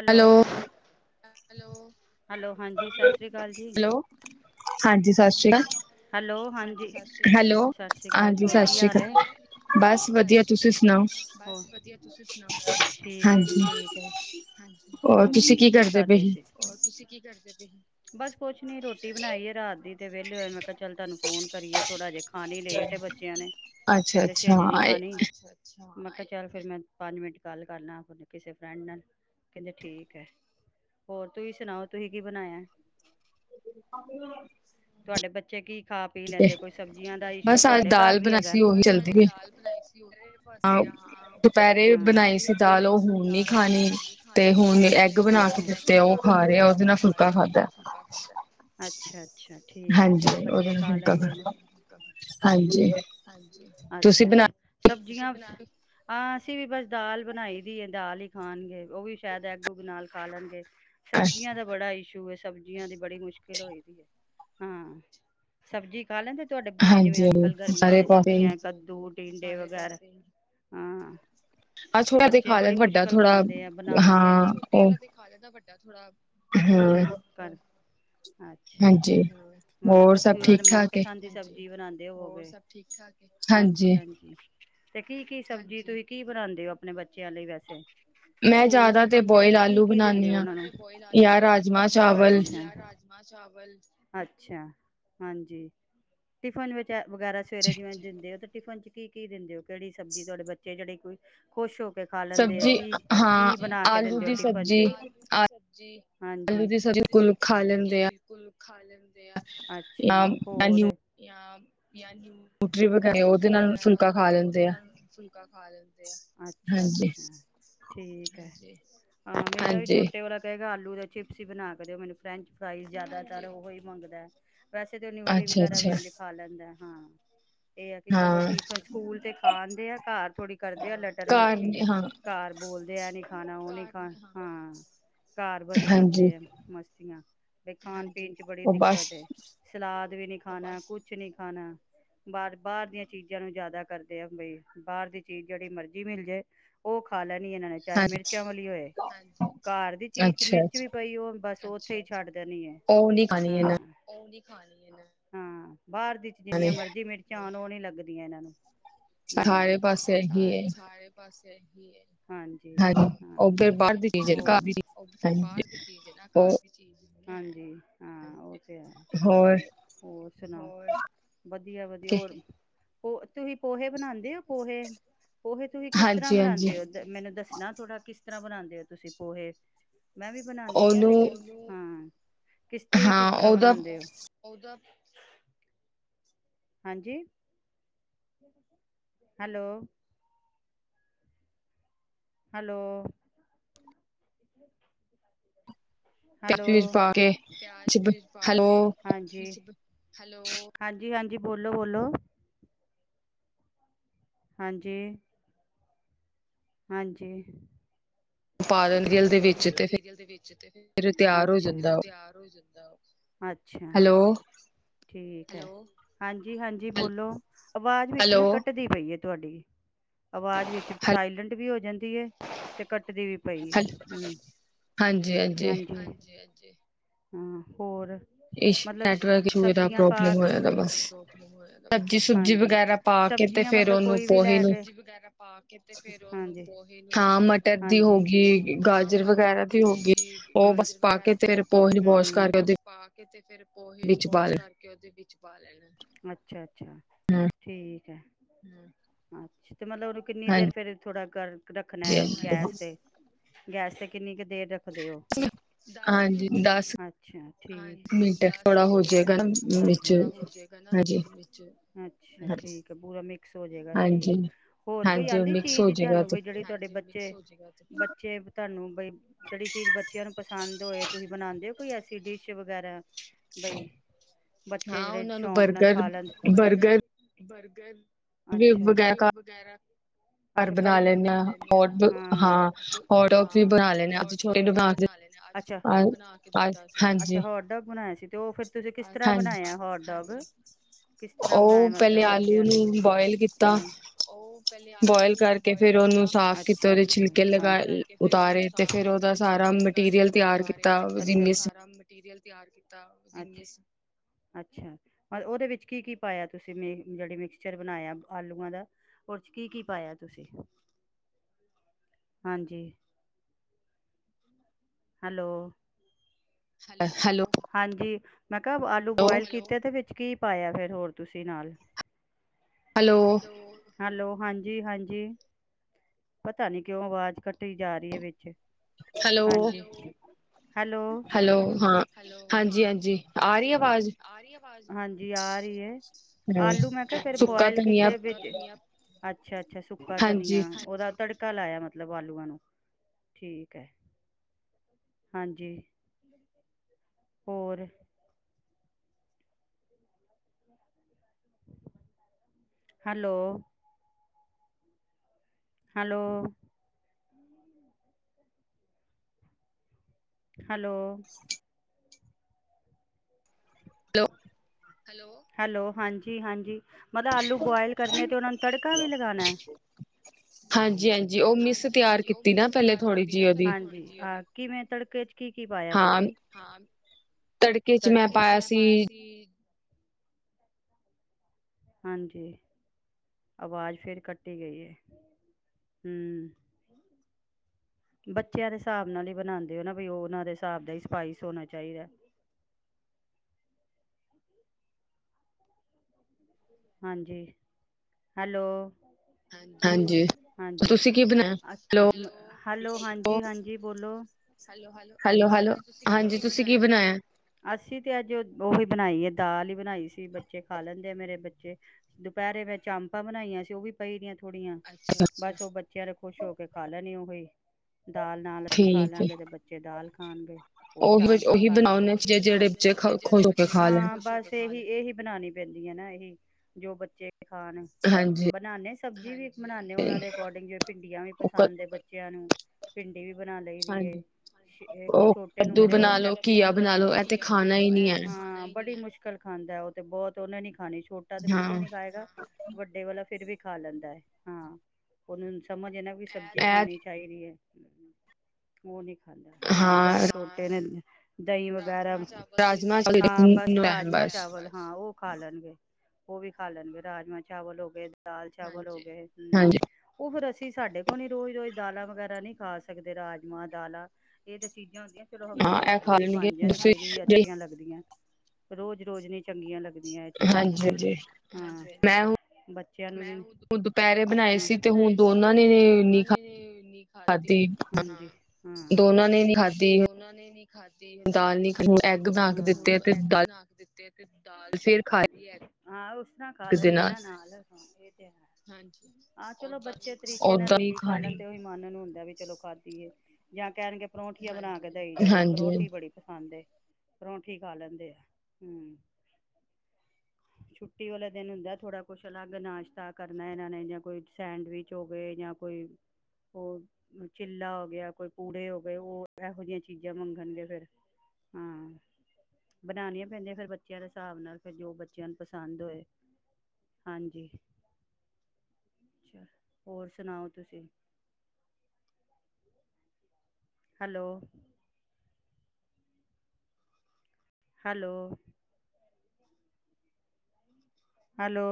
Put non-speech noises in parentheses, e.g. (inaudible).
Hello hello ਹਾਂਜੀ ਸਤਿ ਸ਼੍ਰੀ ਅਕਾਲ ਜੀ, ਹੈਲੋ ਹਾਂਜੀ ਸਤਿ ਸ਼੍ਰੀ ਅਕਾਲ, ਹੈਲੋ ਹਾਂਜੀ ਸਾਸਰੀ ਕਾਲ ਹੈਲੋ ਸਤਿ ਸ੍ਰੀ ਅਕਾਲ ਜੀ ਹਾਂਜੀ ਹੋਰ ਸਤਿ ਕੀ ਸ਼੍ਰੀ ਹਾਲ ਐ, ਅਕਾਲ। ਬਸ ਹਾਂਜੀ ਸਤ ਵਧੀਆ ਸ੍ਰੀ ਤੁਸੀਂ ਅਕਾਲ, ਸੁਣਾਓ? ਬਸ ਵਧੀਆ, ਤੁਸੀਂ ਸੁਣਾਓ ਠੀਕ ਹੈ ਜੀ ਹਾਂਜੀ, ਠੀਕ ਹੈ। ਹਾਂਜੀ ਹੋਰ ਕੀ ਕਰ ਰਹੇ ਸੀ ਹੋਰ ਤੁਸੀਂ ਕੀ ਕਰਦੇ ਪਏ। ਬਸ ਕੁਛ ਨੀ ਰੋਟੀ ਬਣਾਈਏ ਰਾਤ ਦੀ ਤੇ ਵਿਹਲੇ ਹੋਏ ਮੈਂ ਕਿਹਾ ਚੱਲ ਤੁਹਾਨੂੰ ਫੋਨ ਕਰੀਏ ਥੋੜਾ ਜਿਹਾ ਖਾਣੀ ਲੇਟ ਏ ਬੱਚਿਆਂ ਨੇ ਅੱਛਾ, ਕਹਿੰਦੇ ਸੀ ਅੱਛਾ ਹਜੇ ਨੀ ਖਾਣੀ। ਮੈਂ ਕਿਹਾ ਚੱਲ ਫੇਰ ਮੈਂ ਪੰਜ ਮਿੰਟ ਗੱਲ ਕਰ ਲਾ ਆਪਣੇ ਕਿਸੇ ਫਰੈਂਡ ਨਾਲ। ਕਹਿੰਦੇ ਠੀਕ ਹੈ ਹੋਰ ਤੁਹੀ ਸੁਣਾਓ ਤੁਹੀ ਕੀ ਬਣਾਇਆ। (unintelligible) ਤੁਹਾਡੇ ਬੱਚੇ ਕੀ ਖਾ ਪੀ ਲੈਂਦੇ, ਕੋਈ ਸਬਜ਼ੀਆਂ ਦਾ ਇਸ਼ੂ ਬਸ ਅੱਜ ਤੁਹਾਡੇ ਦਾਲ ਘਰ ਵੀ ਬਣਾਈ ਹੈਗਾ। ਸੀ ਉਹੀ ਬਸ ਚਲਦੀ ਅੱਜ ਪਈ ਦਾਲ ਬਣਾਈ ਸੀ ਉਹ ਬਸ ਹਾਂ ਦੁਪਹਿਰੇ ਬਣਾਈ ਦੁਪਹਿਰੇ ਸੀ ਦਾਲ ਬਣਾਈ ਉਹ ਸੀ ਹੁਣ ਨੀ ਦਾਲ ਉਹ ਖਾਣੀ। ਹੁਣ ਨੀ ਤੇ ਖਾਣੀ ਹੁਣ ਐਗ ਤੇ ਹੁਣ, ਬਣਾ ਕੇ ਦਿੱਤੇ ਉਹ ਬਣਾ ਖਾ ਕੇ, ਰਿਹਾ ਦਿੱਤੇ ਆ ਉਹਦੇ ਉਹ ਨਾਲ ਖਾ ਫੁਲਕਾ ਰਹੇ ਉਹਦੇ ਖਾਧਾ। ਨਾਲ ਫੁਲਕਾ ਖਾਧਾ, ਅੱਛਾ ਅੱਛਾ ਠੀਕ ਹੈ ਹਾਂਜੀ ਚਲੋ ਬੱਚੇ ਉਹਦੇ ਨਾਲ ਖਾ ਫੁਲਕਾ ਲੈਂਦੇ ਆ ਨਾ ਖਾਧਾ, ਫੁਲਕਾ। ਹਾਂਜੀ ਹਾਂਜੀ ਤੁਸੀਂ ਅੱਛਾ ਬਣਾ ਅੱਛਾ ਸਬਜ਼ੀਆਂ ਬਣਾ, ਹਾਂ ਅਸੀਂ ਵੀ ਬਸ ਦਾਲ ਬਣਾਈ ਦੀ ਏ ਦਾਲ ਹੀ ਖਾਣਗੇ ਉਹ ਵੀ ਸ਼ਾਇਦ ਐਗ ਉਗ ਨਾਲ ਖਾ ਲੈਣਗੇ। ਸਬਜ਼ੀਆਂ ਦਾ ਬੜਾ ਇਸ਼ੂ ਹੈ ਸਬਜ਼ੀਆਂ ਦੀ ਬੜੀ ਮੁਸ਼ਕਿਲ ਹੋਈ ਦੀ ਹੈ। ਹਮ ਸਬਜ਼ੀ ਖਾ ਲੈਂਦੇ ਤੁਹਾਡੇ ਬੱਚੇ ਜਿਵੇਂ ਹਾਂਜੀ ਅੱਜ ਕੱਲ੍ਹ ਗਰਮੀਆਂ ਸਾਰੇ ਦੀਆਂ ਪਾਸੇ ਸਬਜ਼ੀਆਂ, ਕੱਦੂ, ਟਿੰਡੇ ਵਗੈਰਾ ਹਾਂ। ਆ ਛੋਟਾ ਤੇ ਬੱਚੇ ਖਾ ਬੜੀ ਲੈਣ ਵੱਡਾ ਮੁਸ਼ਕਿਲ ਥੋੜਾ ਖਾਂਦੇ ਆ ਬਣਾਦੇ ਆ ਇਨੀ ਹਾਂ ਖਾਸ ਛੁੱਟੀ ਉਹ ਵਾਲਾ ਦਿਨ। ਹਾਲੇ ਤਾਂ ਵੱਡਾ ਥੋੜਾ ਹਮ ਅੱਛਾ ਕਰ ਅੱਛਾ ਹਾਂਜੀ ਮਤਲਬ ਹੋਰ ਫੇਰ ਸਭ ਤੁਸੀਂ ਉਹਨਾਂ ਠੀਕ ਨੇ ਠਾਕ ਏ ਮਨਪਸੰਦ ਦੀ ਸਬਜ਼ੀ ਬਣਾਉਂਦੇ ਹੋਵੋਗੇ ਹੋਰ ਸਭ ਠੀਕ ਠਾਕ ਹਾਂਜੀ ਹਾਂਜੀ ਤੇ ਕੀ ਕੀ ਸਬਜ਼ੀ ਤੁਸੀਂ ਕੀ ਬਣਾਉਦੇ ਹੋ ਆਪਣੇ ਬੱਚਿਆਂ ਲਈ ਵੈਸੇ। ਮੈਂ ਸਕੂਲ ਜ਼ਿਆਦਾ ਤੇ ਟੀਫਨ ਚ ਬੋਇਲ ਤੁਸੀ ਕੀ ਆਲੂ ਕੀ ਦੇਂਦੇ ਬਣਾਉਦੀ ਹੋ ਹਾਂ ਉਹਨਾਂ ਨੂੰ ਬੋਇਲ ਆਲੂ ਯਾ ਬਣਾਨੀ ਹਾਂ ਰਾਜਮਾਂ ਚਾਵਲ ਜਾਂ ਰਾਜਮਾ ਰਾਜਮਾ ਚਾਵਲ ਅੱਛਾ ਹਾਂਜੀ, ਟਿਫਨ ਵਗੈਰਾ ਸਵੇਰੇ ਜਿਵੇਂ ਦਿੰਦੇ ਹੋ ਤੇ ਟਿਫਨ ਚ ਕੀ ਕੀ ਦਿੰਦੇ ਹੋ ਕਿਹੜੀ ਸਬਜ਼ੀ ਤੁਹਾਡੇ ਬੱਚੇ ਜਿਹੜੇ ਕੋਈ ਖੁਸ਼ ਹੋ ਕੇ ਖਾ ਲੈਂਦੇ ਆ ਸਬਜ਼ੀ ਕੀ ਕੀ ਹਾਂ ਬਣਾ ਕੇ ਆਲੂ ਦਿੰਦੇ ਹੋ ਦੀ ਟਿਫਨ ਚ ਸਬਜ਼ੀ ਆਲੂ ਦੀ ਸਬਜੀ ਹਾਂਜੀ ਆਲੂ ਦੀ ਕੁਲ ਸਬਜ਼ੀ ਖਾ ਸੁੱਕੀ ਲੈਂਦੇ ਆ ਬਿਲਕੁਲ ਖਾ ਲੈਂਦੇ ਆ ਅੱਛਾ ਜਾਂ ਹੋਰ ਯਾ ਯ ਜਿਵੇਂ ਨਿਊਟਰੀ ਵਗੈਰਾ ਸਬਜੀ ਉਹਦੇ ਨਾਲ ਵਗੈਰਾ ਫੁਲਕਾ ਖਾ ਹੋਏ ਉਹਦੇ ਲੈਂਦੇ ਆ ਨਾਲ ਫੁਲਕਾ ਖਾ ਲਿੰਦੇ ਆ। ਅੱਛਾ ਹਾਂਜੀ ਅੱਛਾ ਠੀਕ ਹੈ ਜੀ ਹਾਂ ਮੇਰਾ ਵੀ ਹਾਂਜੀ ਛੋਟੇ ਵਾਲਾ ਕਹੇਗਾ ਆਲੂ ਦਾ ਚਿਪਸ ਹੀ ਬਣਾ ਕੇ ਦਿਓ ਮੈਨੂੰ ਫਰੈਂਚ ਫਰਾਈਜ਼ ਜ਼ਿਆਦਾਤਰ ਉਹ ਹੀ ਮੰਗਦਾ ਹੈ। ਵੈਸੇ ਤਾਂ ਉਹ ਨਿਊਟਰੀ ਅੱਛਾ ਵਗੈਰਾ ਵੀੇ ਅੱਛਾ ਅਜੇ ਖਾ ਲੈਂਦਾ ਹਾਂ। ਇਹ ਆ ਕਿ ਚਲੋ ਹਾਂ ਟਿਫਨ ਸਕੂਲ ਤੇ ਖਾਦੇ ਆ ਘਰ ਥੋੜੀ ਕਰਦੇ ਆ ਲਟਰ ਘਰ ਮਸਤੀ ਹਾਂ ਘਰ ਬੋਲਦੇ ਐ ਨੀ ਖਾਣਾ ਉਹ ਨੀ ਖਾਣਾ ਹਾਂ ਘ ਵਰੀ ਹਾਂਜੀ ਕਰਦੇ ਆ। ਮਸਤੀਆਂ ਤੇ ਖਾਣ ਪੀਣ ਚ ਬੜੀ ਉਹ ਦਿੱਕਤ। ਬਸ ਏ ਸਲਾਦ ਵੀ ਨੀ ਖਾਣਾ ਕੁਛ ਨਹੀਂ ਖਾਣਾ। ਬਾਹਰ ਬਾਹਰ ਦੀਆਂ ਚੀਜ਼ਾਂ ਨੂੰ ਜਿਆਦਾ ਕਰਦੇ ਆ ਬਈ ਬਾਹਰ ਦੀ ਚੀਜ਼ ਜਿਹੜੀ ਮਰਜ਼ੀ ਮਿਲ ਜਾਏ। ਉਹ ਖਾ ਲੈਣੀ ਇਹਨਾਂ ਨੇ ਚਾਹੇ ਹਾਂਜੀ ਮਿਰਚਾਂ ਵਾਲੀ ਹੋਏ ਘਰ ਦੀ ਚੀਜ਼ ਚ ਅੱਛਾ ਅੱਛਾ ਮਿਰਚ ਵੀ ਪਈ ਹੋਏ ਉਹ ਬਸ ਉਥੇ ਹੀ ਛੱਡ ਦੇ ਨੀ ਹੈ। ਉਹ ਨੀ ਖਾਣੀ ਇਹਨਾਂ ਨੇ। ਉਹ ਨੀ ਖਾਣੀ ਇਹਨਾਂ ਨੇ ਹਾਂ ਬਾਹਰ ਦੀ ਚ ਜਿੰਨੀਆਂ ਨੇ ਮਰਜੀ ਮਿਰਚਾ ਹੋਣ ਉਹ ਨੀ ਲੱਗਦੀਆਂ ਇਹਨਾਂ ਨੂੰ ਸਾਰੇ ਪਾਸੇ ਇਹੀ ਏ। ਪਾਸੇ ਇਹੀ ਏ। ਹਾਂਜੀ ਹਾਂ, ਉਹ ਫਿਰ ਬਾਹਰ ਦੀ ਚੀਜ਼ ਘਰ ਹੋਰ ਦੀ ਉਹ ਵੀ ਫਿਰ ਹਾਂਜੀ ਬਾਹਰ ਦੀ ਚੀਜ਼ ਆ ਨਾ ਘਰ ਉਹ ਦੀ ਚੀਜ਼ ਹਾਂਜੀ ਹਾਂ ਹੋਰ ਉਹ ਹੋਰ ਸੁਣਾਓ, ਵਧੀਆ ਵਧੀਆ ਹੋਰ। ਪ ਤੁਸੀਂ ਪੋਹੇ ਬਣਾਂਦੇ ਹੋ ਪੋਹੇ ਪੋਹੇ ਤੁਸੀਂ ਕਿਸ ਤਰ੍ਹਾਂ ਹਾਂਜੀ ਹਾਂਜੀ ਬਣਾਂਦੇ ਹੋ। ਮੈਨੂੰ ਦੱਸਣਾ ਥੋੜਾ ਕਿਸ ਤਰ੍ਹਾਂ ਬਣਾਂਦੇ ਹੋ ਤੁਸੀਂ ਪੋਹੇ ਮੈਂ ਵੀ ਬਣਾਨੀ ਹਾਂ ਉਹਨੂੰ ਲੇਕਿਨ। ਹਾਂ ਕਿਸ ਤੁਸੀਂ ਕਿਸ ਹਾਂ ਤਰ੍ਹਾਂ ਉਹਦਾ ਬਣਾਂਦੇ ਹੋ। ਹਾਂਜੀ। ਹੈਲੋ। ਹੈਲੋ। ਹੈਲੋ ਪਿਆਜ ਵਿੱਚ ਪਾ ਕੇ ਪਿਆਜ ਪਿਉਜ ਪਾ ਹੈਲੋ ਕੇ ਹਾਂਜੀ। ਹੈਲੋ ਹਾਂਜੀ ਹਾਂਜੀ ਬੋਲੋ ਬੋਲੋ। ਹਾਂਜੀ। ਹਾਂਜੀ। ਪਾ ਦਿੰਦੀ ਦਿੰਦੇ ਰੀਅਲ ਦੇ ਵਿੱਚ ਸੀ ਤੇ ਮਟੀਰੀਅਲ ਦੇ ਵਿੱਚ ਤੇ ਫਿਰ ਤਿਆਰ ਹੋ ਅੱਛਾ ਫਿਰ ਜਾਂਦਾ ਉਹ ਤਿਆਰ ਹੋ ਜਾਂਦਾ। ਅੱਛਾ। ਹੈਲੋ ਠੀਕ ਐ ਹਾਂਜੀ ਹਾਂਜੀ ਬੋਲੋ ਅਵਾਜ਼ ਵਿੱਚ ਨਾ ਹੈਲੋ ਕੱਟਦੀ ਪਈ ਐ ਤੁਹਾਡੀ। ਆਵਾਜ਼ ਵਿੱਚ ਹ ਸਾਇਲੈਂਟ ਵੀ ਹੋ ਜਾਂਦੀ ਐ ਤੇ ਕੱਟਦੀ ਵੀ ਪਈ ਐ ਹੂੰ। ਹਾਂਜੀ ਹਾਂਜੀ ਹਾਂ ਹੋਰ। ਇ ਮਤਲਬ ਨੈਟਵਰਕ ਇਸ਼ੂ। ਦਾ ਸਬਜ਼ੀਆਂ ਪਾ ਪ੍ਰੋਬਲਮ ਕੇ ਹੋਇਆ ਬਸ ਸਬਜ਼ੀ ਸੁਬਜੀ ਹਾਂਜੀ ਵਗੈਰਾ ਪਾ ਕੇ ਤੇ ਸਬਜ਼ੀਆਂ ਫੇਰ ਮਤਲਬ ਉਹਨੂੰ ਕੋਈ ਵੀ ਪੋਹੇ ਲੈ ਨੂੰ ਕੇ। ਵਗੈਰਾ ਪਾ ਕੇ ਤੇ ਫਿਰ ਉਹਨੂੰ ਪੋਹੇ ਨੂੰ ਹਾਂ ਮਟਰ ਹਾਂਜੀ ਦੀ ਹਾਂਜੀ ਹੋਗੀ, ਹਾਂ ਗਾਜਰ ਮਟਰ ਵਗੈਰਾ ਦੀ ਹੋਗੀ। ਉਹ ਬਸ ਗਾਜਰ ਪਾ ਕੇ ਵਗੈਰਾ ਦੀ ਤੇ ਹੋਗੀ ਪੋਹੇ ਵਾਸ਼ ਓ ਕਰਕੇ ਉਹਦੇ ਬਸ ਪਾ ਕੇ ਤੇ ਫੇਰ ਪੋਹੇ ਨੂੰ। ਵਿੱਚ ਪਾ ਲੈ ਉਹਦੇ ਵਿੱਚ ਪਾ ਲੈਣਾ ਅੱਛਾ ਅੱਛਾ ਹੂੰ ਠੀਕ ਐ। ਅੱਛਾ ਤੇ ਮਤਲਬ ਕਿੰਨੀ ਦੇਰ ਹਾਂਜੀ ਫੇਰ ਥੋੜਾ ਕਰ ਰੱਖਣਾ ਹਾਂਜੀ। ਗੈਸ ਤੇ ਗੈਸ ਤੇ ਕਿੰਨੀ ਕੁ ਦੇਰ ਰੱਖ ਰੱਖਦੇ ਓ ਦਸ ਹਾਂਜੀ ਮਿੰਟ ਦਸ ਅੱਛਾ ਠੀਕ ਮਿੰਟ ਦਸ ਥੋੜਾ ਹੋ ਜਾਏਗਾ ਨਾ ਅੱਛਾ ਅੱਛਾ, ਵਿੱਚ ਥੋੜਾ ਹੋਜੇਗਾ ਨਾ ਹਾਂਜੀ। ਠੀਕ ਆ ਪੂਰਾ ਮੇਕਅਪ। ਫਿਕਸ ਹੋਜੇਗਾ ਠੀਕ ਹਾਂਜੀ ਹੋਰ ਕੋਈ ਹਾਂਜੀ ਉਹ ਆਂਦੀ ਮਿਕਸ ਹੋ ਚੀਜ਼ ਜਾਏਗਾ ਤੁਹਾਨੂੰ ਤੇ ਬਈ ਜਿਹੜੇ ਤੁਹਾਡੇ ਬੱਚੇ ਬੱਚੇ ਤੁਹਾਨੂੰ ਬਈ ਜਿਹੜੀ ਚੀਜ਼ ਬੱਚਿਆਂ ਨੂੰ। ਪਸੰਦ ਹੋਏ ਤੁਸੀਂ ਬਣਾਂਦੇ ਹੋ ਕੋਈ ਐਸੀ ਡਿਸ਼ ਵਗੈਰਾ। ਬਈ ਬੱਚੇ ਹਾਂ ਜਿਹੜੇ ਉਹਨਾਂ ਨੂੰ ਸ਼ੌਕ ਨਾਲ ਬਰਗਰ ਖਾ ਲੈਂਦੇ ਬਰਗਰ ਬਰਗਰ। ਵੀ ਅੱਛਾ ਵਗੈਰਾ ਮੀਟ ਘਰ ਵਗੈਰਾ। ਅੱਛਾ ਘਰ ਬਣਾ ਲੈਣੇ ਆ ਹਾਂ ਹੋਟਡੋਗ ਵੀ ਬਣਾ ਲੈਂਦੇ ਆ ਅੱਜ ਹੋਟ ਡੋਗ ਛੋਟੇ ਨੂੰ ਵੀ ਕੇ ਬਣਾ ਲੈਂਣੇ ਆ। ਅੱਛਾ ਹਾਂਜੀ ਬਣਾ ਕੇ ਦਿੱਤਾ ਸੀ ਅੱਛਾ ਹਾਂਜੀ। ਹੋਟ ਡੋਗ ਬਣਾਇਆ ਸੀ ਤੇ ਉਹ ਫਿਰ ਤੁਸੀਂ ਕਿਸ ਤਰ੍ਹਾਂ ਹਾਂਜੀ ਬਣਾਇਆ ਹੋਟ ਡੋਗ? ਕਿਸ ਤਰ੍ਹਾਂ ਬਣਾਇਆ ਉਹ ਪਹਿਲੇ ਮਤਲਬ ਆਲੂ ਬੱਚਿਆਂ ਲਈ ਨੂੰ ਬੋਇਲ ਕੀਤਾ ਹੂੰ? ਉਹ ਪਹਿਲੇ ਆਲੂ ਨੂੰ ਕੇ ਫੇਰ ਉਹਨੂੰ ਸਾਫ਼ ਕੀਤਾ, ਉਹਦੇ ਛਿਲਕੇ ਲਗਾਏ ਹਾਂ ਉਤਾਰੇ ਤੇ ਫੇਰ ਉਹਦਾ ਸਾਰਾ ਮਿੱਟ ਉਤਾਰੇ ਤੇ ਫੇਰ ਉਹਦਾ ਸਾਰਾ ਮੈਟੀਰੀਅਲ ਤਿਆਰ ਕੀਤਾ। ਅੱਛਾ, ਉਹਦੇ ਵਿੱਚ ਕੀ-ਕੀ ਪਾਇਆ ਤੁਸੀਂ ਮੇ ਜਿਹੜੀ ਮਿਕਸਚਰ ਬਣਾਇਆ ਆਲੂਆਂ ਦਾ? ਉਹ ਚ ਕੀ ਕੀ ਪਾਇਆ ਤੁਸੀਂ ਹਾਂਜੀ! ਹੈਲੋ। ਹੈਲੋ ਹਾਂਜੀ, ਮੈਂ ਕਿਹਾ ਆਲੂ ਹੈਲੋ ਬੋਇਲ ਕੀਤੇ ਤੇ ਵਿੱਚ ਕੀ ਪਾਇਆ ਫਿਰ ਹੋਰ ਤੁਸੀਂ ਨਾਲ? ਹੈਲੋ। ਹੈਲੋ, ਹਾਂਜੀ ਹਾਂਜੀ ਪਤਾ ਨੀ ਕਿਉਂ ਅਵਾਜ਼ ਕੱਟੀ ਜਾ ਰਹੀ ਆ ਵਿੱਚ? ਹੈਲੋ ਹਾਂਜੀ ਹੈਲੋ। ਹੈਲੋ, ਹਾਂ। ਹੈਲੋ, ਹਾਂਜੀ ਹਾਂ ਹਾਂਜੀ ਆ ਰਹੀ ਹਾਂਜੀ-ਹਾਂਜੀ ਆਵਾਜ਼ ਆ ਰਹੀ ਆਵਾਜ਼, ਹਾਂਜੀ ਆ ਰਹੀ ਐ! ਆਲੂ ਮੈਂ ਕਿਹਾ ਫੇਰ ਸੁੱਕਾ ਬੋਆਇਲ ਧਨੀਆ ਕੀਤੇ ਵਿੱਚ, ਅੱਛਾ -ਅੱਛਾ ਸੁੱਕਾ ਹਾਂਜੀ ਧਨੀਆ! ਉਹਓਦਾ ਤੜਕਾ ਲਾਇਆ ਮਤਲਬ ਆਲੂਆਂ ਨੂੰ ਠੀਕ ਹੈ। ਹਾਂਜੀ। ਹੋਰ ਹੈਲੋ। ਹੈਲੋ। ਹੈਲੋ। (unintelligible) ਲੋ ਹੈਲੋ ਹਾਂਜੀ ਹਾਂਜੀ ਮਤਲਬ ਆਲੂ ਬੁਆਇਲ ਕਰਨੇ ਤੇ ਉਹਨਾ ਨੂੰ ਤੜਕਾ ਵੀ ਲਗਾਉਣਾ? ਹਾਂਜੀ ਹਾਂਜੀ ਉਹ ਮਿਸ ਹਾਂਜੀ ਤਿਆਰ ਹਾਂਜੀ ਉਹ ਕੀਤੀ ਮਿਸ ਨਾ ਪਹਿਲੇ ਤਿਆਰ ਥੋੜ੍ਹੀ ਕੀਤੀ ਜਿਹੀ ਨਾ ਉਹਦੀ ਪਹਿਲੇ ਥੋੜ੍ਹੀ ਜੀ ਹਾਂਜੀ ਕਿਵੇਂ ਤੜਕੇ ਚ ਕੀ ਕੀ ਪਾਇਆ ਹਾਂ ਤੁਸੀਂ? ਤੜਕੇ ਚ ਮੈਂ ਪਾਇਆ ਸੀ ਹਾਂਜੀ। ਆਵਾਜ਼ ਫੇਿਰ ਕੱਟੀ ਗਈ ਹੈ ਹਮ। ਬੱਚਿਆਂ ਦੇ ਹਿਸਾਬ ਨਾਲ ਹੀ ਬਣਾਉਦੇ ਹੋ ਨਾ, ਬ ਉਹਨਾਂ ਦੇ ਹਿਸਾਬ ਦਾ ਹੀ ਸਪਾਈਸ ਹੋਣਾ ਚਾਹੀਦਾ। ਹਾਂਜੀ ਹੈਲੋ। ਹਜੀ ਹਾਂਜੀ ਹਾਂਜੀ, ਤੁਸੀਂ ਕੀ ਬਣਾਇਆ ਹੈਲੋ ਅ ਹੈਲੋ ਹਾਂਜੀ ਹਾਂਜੀ। ਬੋਲੋਲ ਹਲੋਹੈਲੋ ਹੈਲੋ ਹੈਲੋ ਹਾਂਜੀ ਤੁਸੀਂ ਕੀ ਬਣਾਇਆ? ਅਸੀਂ ਤੇ ਅੱਜ ਉਹੀ ਬਣਾਈ ਹੈ ਦਾਲ ਹੀ ਬਣਾਈ ਸੀ ਬੱਚੇ ਖਾ ਲੈਂਦੇ ਆ ਮੇਰੇ ਬੱਚੇ। ਦੁਪਹਿਰੇ ਮੈਂ ਚਾਮਪਾਂ ਬਣਾਈਆਂ ਸੀ ਉਹ ਵੀ ਪਈ ਦੀਆਂ ਥੋੜੀਆਂ, ਬਸ ਉਹ ਬੱਚਿਆਂ ਨੇ ਖੁਸ਼ ਹੋ ਕੇ ਖਾ ਲੈਣੀ ਉਹੀ। ਦਾਲ ਨਾਲ ਅਸੀਂ ਖਾ ਠੀਕ ਏ, ਲਵਗੇ ਤੇ ਬੱਚੇ ਦਾਲ ਖਾਣਗੇ। ਚ ਉਹੀ ਉਹੀ ਬਣਾਉਣੇ ਉਓਹੀ ਚ ਜਿਹੜੇ ਬਣਾਓਨੇ ਬੱਚੇ ਚੀਜ਼ ਜਿਹੜੇ ਖੁਸ਼ ਹੋ ਕੇ ਬੱਚੇ ਖਾ ਲੈਣ ਖੁਸ਼ ਹੋ ਕੇ ਹੀ ਇਹੀ ਬਣਾਉਣੀ ਪੈਂਦੀ ਹੈ ਨਾ ਇਹੀ ਜੋ ਬੱਚੇ ਖਾਣ। ਹਾਂਜੀ। ਨਾਲੇ ਸਬਜ਼ੀ ਵੀ ਬਣਾਉਦੇ ਉਹਨਾਂ ਦੇ ਅਕੋਰਡਿੰਗ ਜ ਭਿੰਡੀਆਂ ਵੀ ਉਹ ਪਸੰਦ ਏ ਬੱਚਿਆਂ ਨੂੰ। ਭਿੰਡੀ ਵੀ ਬਣਾ ਲਈ ਦੀ ਏ। ਹਾਂਜੀ, ਛ ਇੱਕ ਉਹ ਛੋਟੇ ਨੂ ਕੱਦੂ ਮੇਰੇ ਉਹ ਬਣਾ ਲੋ, ਘੀਆ ਕੈਪਸੀਕਮ ਬਣਾ ਪਸੰਦ ਲੋ, ਇਹ ਤੇ ਖਾਣਾ ਹੀ ਨੀ ਹੈ। ਏ, ਹਾ ਬੜੀ ਮੁਸ਼ਕਿਲ ਕਲ ਖਾਂਦਾ ਹੈ ਉਹ ਤੇ ਬਹੁਤ ਉਹਨੇ ਨੀ ਖਾਣੀ, ਛੋਟਾ ਤੇ ਬਿਲਕੁਲ ਹਾਂ, ਨੀ ਖਾਏਗਾ। ਵੱਡੇ ਵਾਲਾ ਫੇਿਰ ਵੀ ਖਾ ਲੈਂਦਾ ਹੈ, ਹਾਂ ਉਹਨੂੰ ਸਮਝ ਇਹ ਨਾ ਵੀ ਸਬਜ਼ੀ ਐ ਖਾਣੀ ਚਾਹੀਦੀ ਹੈ, ਉਹ ਨੀ ਖਾਂਦਾ ਨਾ ਹਾਂ ਵੱਡਾ ਛੋ ਦੇਂਦੇ ਦਹੀਂ ਵਗੈਰਾ, ਰਾਜਮਾਂ ਹਾਂ ਬਸ ਚਾਵਲ ਰਾਜਮਾਂ ਬਸ ਚਾਵਲ। ਹਾਂ ਉਹ ਖਾ ਲੈਣਗੇ। ਉਹ ਵੀ ਖਾ ਲੈਣਗੇ, ਰਾਜਮਾਂ ਚਾਵਲ ਹੋ ਗਏ ਦਾਲ ਚਾਵਲ ਹੋ ਗਏ। ਹਮ ਹਾਂਜੀ। ਉਹ ਫੇਿਰ ਅਸੀਂ ਸਾਡੇ ਕੋਲ ਨ ਰੋਜ਼ ਰੋਜ਼ ਦਾਲਾਂ ਵਗੈਰਾ ਨਹੀਂੀ ਖਾ ਸਕਦੇ ਰਾਜਮਾਂ ਦਾਲਾਂ। ਇਹ ਤਾਂ ਚੀਜ਼ਾਂ ਹੁੰਦੀਆਂ ਚਲੋ ਹਫ਼ਤੇ ਹਾਂ ਚ ਇਹ ਇੱਕ ਖਾ ਵਾਰੀ ਲੈਣਗੇ, ਬਣ ਜਾਣ ਤੁਸੀਂ ਫੇਰ ਹੀ ਅੱਛੀਆਂ ਲੱਗਦੀਆਂ। ਰੋਜ਼ ਰੋਜ਼ ਨੀ ਚੰਗੀਆਂ ਲੱਗਦੀਆਂ ਇਹ ਚੀਜ਼ਾਂ ਹਾਂਜੀ-ਹਾਂਜੀ, ਮੈਂ ਹੁਣ ਹਾਂ ਬੱਚਿਆਂ ਨੂੰ। ਦੁਪਹਿਰੇ ਬਣਾਏ ਸੀ ਦੋਪੈਰੇ ਤੇ ਹੁਣ ਬਣਾਏ ਸੀ ਤੇ ਦੋਨਾਂ ਨੇ ਹੁਣ ਨੀ ਦੋਨਾਂ ਨੇ ਨੀ ਖਾਧੀ। ਓਹਨਾ ਨੇ ਨਹੀਂ ਖਾਧੀ ਦੋਨਾਂ ਨੇ ਨੀ ਖਾਧੀ ਦਾਲ ਨੀ ਖਾਣੀ ਦਾਲ ਐਗ ਨੀ ਬਣਾ ਖਾਣੀ ਕੇ ਦਿੱਤੇ ਨੂੰ ਤੇ ਐੱਗ ਦਾਲ ਬਣਾ ਕੇ ਦਿੱਤੇ ਤੇ ਦਾਲ ਫਿਰ ਫੇਰ ਖਾਏ ਵਧੀਆ ਏ ਹਾ ਉਸ ਤਰ੍ਹਾਂ ਖਾ ਇੱਕ ਦੇ ਲਣਗੇ ਨਾ ਨਾਲ ਇਹ ਤੇ ਹੈ। ਹਾਂਜੀ ਹਾਂ ਚਲੋ ਬੱਚੇ ਤਰੀਕੇ ਨਾਲ ਓਦਾਂ ਹੀ ਰੋਟੀ ਖਾ ਖਾਣੀ, ਲੈਣਦੇ ਉਹੀ। ਮਨ ਨੂੰ ਹੁੰਦਾ ਵੀ ਚਲੋ ਖਾਦੀਏ ਜਾਂ ਕਹਿਣਗੇ ਪਰੌਂਠ। ਆ ਬਣਾ ਕੇ ਦਈ ਜਾਓ ਬਸ ਹਾਂਜੀ। ਪਾਰੋਂਠੀ ਬੜੀ ਪਸੰਦ ਏ। ਪਰੋਠੀ ਖਾ ਲੈਂਦੇ ਆ ਹੂੰ। ਛੁੱਟੀ ਵਾਲੇ ਦਿਨ ਹੁੰਦਾ ਥੋੜਾ ਕੁਛ ਅਲੱਗ ਨਾਸ਼ਤਾ ਕਰਨਾ ਇਹਨਾਂ ਨੇ ਜਾਂ ਕੋਈ ਸੈਂਡਵਿਚ ਹੋ ਗਏ ਜ ਕੋਈ ਉਹ ਚਿੱਲਾ ਹੋ ਗਿਆ ਕੋਈ ਪੂੜੇ ਹੋ ਉਹ ਇਹੋ ਜਿਹੀਆਂ ਚੀਜ਼ਾਂ ਮੰਗਣਗੇ ਫਿਰ ਹਾਂ। ਬਣਾਉਣੀਆਂ ਪੈਂਦੀਆਂ ਫਿਰ ਬੱਚਿਆਂ ਦੇ ਹਿਸਾਬ ਨਾਲ ਫਿਰ ਜੋ ਬੱਚਿਆਂ ਨੂੰ ਪਸੰਦ ਹੋਏ। ਹਾਂਜੀ, ਅੱਛਾ ਹੋਰ ਸੁਣਾਓ ਤੁਸੀਂ? ਹੈਲੋ। ਹੈਲੋ। ਹੈਲੋ।